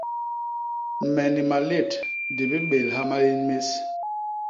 Me ni malét di bibélha maén més.